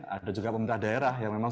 ada juga pemerintah daerah yang memang